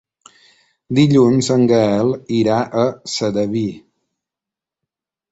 Dilluns en Gaël irà a Sedaví.